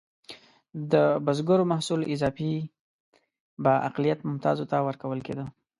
د بزګرو محصول اضافي به اقلیت ممتازو ته ورکول کېده.